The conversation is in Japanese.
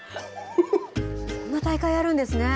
そんな大会あるんですね。